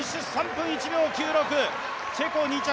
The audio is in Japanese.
３分１秒９６、チェコ２着。